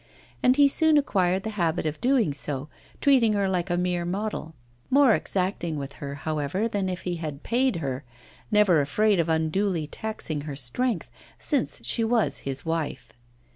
And he soon acquired the habit of doing so, treating her like a mere model; more exacting with her, however, than if he had paid her, never afraid of unduly taxing her strength, since she was his wife.